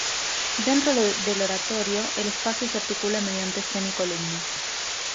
Dentro del oratorio el espacio se articula mediante semicolumnas.